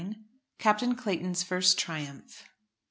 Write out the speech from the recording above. CAPTAIN CLAYTON'S FIRST TRIUMPH.